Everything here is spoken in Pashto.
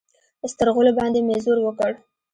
سترغلو باندې مې زور وکړ.